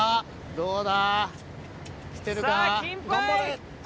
どうだ？